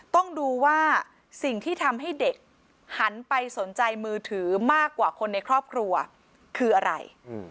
ต้องดูว่าสิ่งที่ทำให้เด็กหันไปสนใจมือถือมากกว่าคนในครอบครัวคืออะไร